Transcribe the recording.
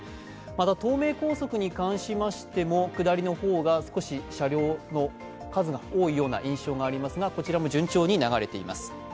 また東名高速に関しましても下りの方が少し車両の数が多いような印象がありますが、こちらも順調に流れています。